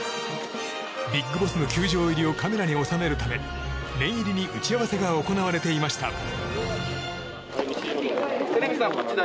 ビッグボスの球場入りをカメラに収めるため念入りに打ち合わせが行われていました。